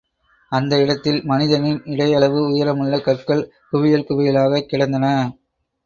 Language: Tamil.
அந்த இடத்தில், மனிதனின் இடையளவு உயரமுள்ள கற்கள் குவியல் குவியலாகக் கிடந்தன.